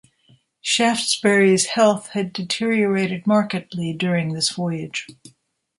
Shaftesbury's health had deteriorated markedly during this voyage.